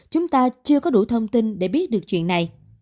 chúng ta chưa có đủ thông tin để biết được chuyện này